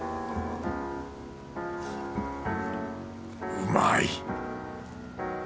うまい。